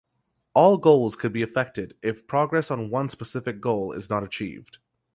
All goals could be affected if progress on one specific goal is not achieved.